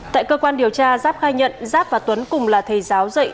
tại cơ quan điều tra giáp khai nhận giáp và tuấn cùng là thầy giáo dạy